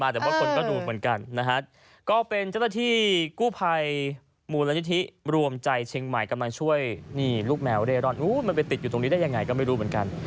แต่ว่าคนก็ดูเหมือนกันนะฮะก็เป็นเจ้าหน้าที่กู้ภัยมูลนิธิรวมใจเชียงใหม่กำลังช่วยนี่ลูกแมวเร่ร่อนมันไปติดอยู่ตรงนี้ได้ยังไงก็ไม่รู้เหมือนกัน